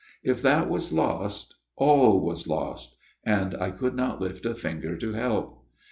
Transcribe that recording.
If that was lost, all was lost : and I could not lift a finger to help.